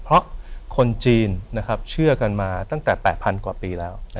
เพราะคนจีนเชื่อกันมาตั้งแต่๘๐๐กว่าปีแล้ว